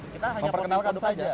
kita hanya posting produk saja